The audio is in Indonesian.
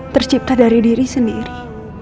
tercipta dari diri sendiri